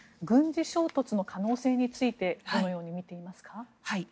軍事衝突の可能性についてどのように見ていますか？